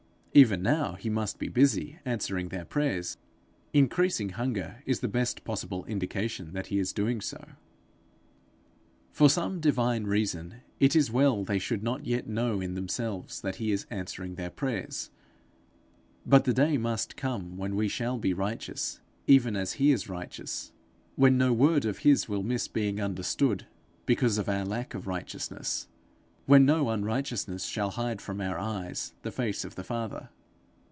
Even now he must be busy answering their prayers; increasing hunger is the best possible indication that he is doing so. For some divine reason it is well they should not yet know in themselves that he is answering their prayers; but the day must come when we shall be righteous even as he is righteous; when no word of his will miss being understood because of our lack of righteousness; when no unrighteousness shall hide from our eyes the face of the Father.